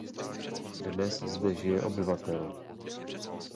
Dnes zde žije obyvatel.